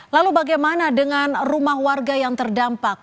lalu bagaimana dengan rumah warga yang terdampak